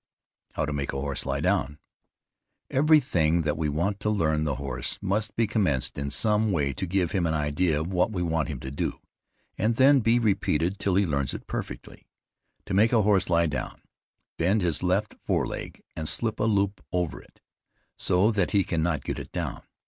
HOW TO MAKE A HORSE LIE DOWN. Every thing that we want to learn the horse must be commenced in some way to give him an idea of what you want him to do, and then be repeated till he learns it perfectly. To make a horse lie down, bend his left fore leg, and slip a loop over it, so that he cannot get it down.